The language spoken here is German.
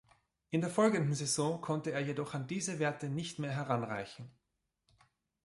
In der folgenden Saison konnte er jedoch an diese Werte nicht mehr heranreichen.